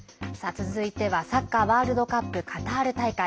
続いてはサッカーワールドカップカタール大会。